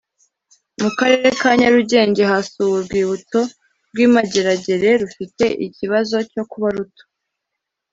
Mu Karere ka Nyarugenge hasuwe urwibutso rw i Mageragere rufite ikibazo cyo kuba ruto